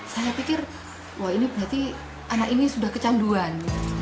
saya pikir wah ini berarti anak ini sudah kecanduan